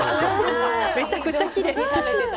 めちゃくちゃきれいに食べてた。